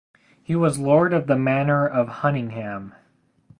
He was Lord of the Manor of Hunningham.